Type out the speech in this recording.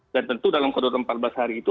dan tentu dalam kondor empat belas hari itu